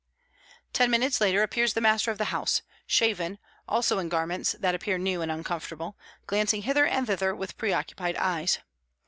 Ten minutes later appears the master of the house, shaven, also in garments that appear new and uncomfortable, glancing hither and thither with preoccupied eyes.